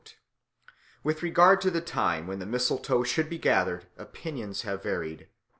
With regard to the time when the mistletoe should be gathered opinions have varied.